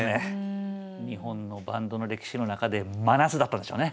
日本のバンドの歴史の中で真夏だったんでしょうね。